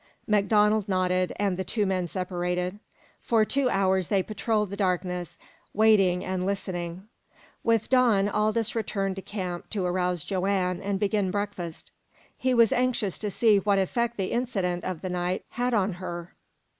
MacDonald nodded, and the two men separated. For two hours they patrolled the darkness, waiting and listening. With dawn Aldous returned to camp to arouse Joanne and begin breakfast. He was anxious to see what effect the incident of the night had on her.